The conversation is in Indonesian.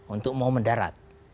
untuk mau mendarat